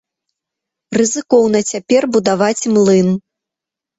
Рызыкоўна цяпер будаваць млын.